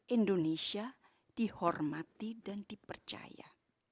indonesia dihormati dan dipercaya